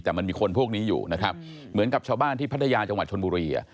แต่มันมีคนพวกนี้อยู่นะครับเหมือนกับชาวบ้านที่พัทยาจังหวัดชนบุรี